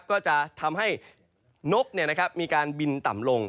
ก็จะทำให้นกมีการบินต่ำลง